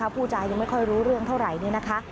ผู้ใจยังไม่ค่อยรู้เรื่องเท่าไหร่